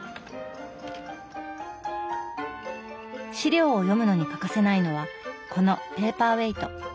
資料を読むのに欠かせないのはこのペーパーウエイト。